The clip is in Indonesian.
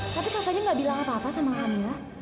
tapi kak fadil gak bilang apa apa sama kak mila